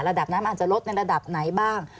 ระดับน้ำอาจจะลดในระดับไหนบ้าง